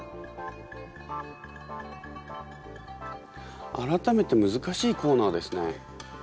改めて難しいコーナーですね。